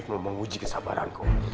aku ingin menguji kesabaranku